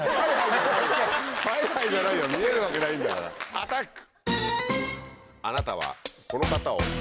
アタック！